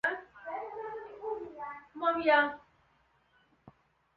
她在小学时开始学习这项运动。